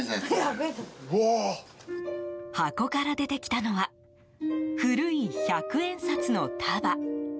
箱から出てきたのは古い百円札の束。